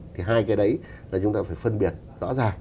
thì hai cái đấy là chúng ta phải phân biệt rõ ràng